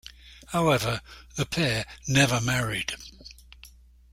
However, the pair never married.